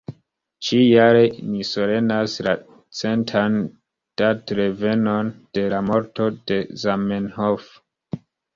Ĉi-jare ni solenas la centan datrevenon de la morto de Zamenhof.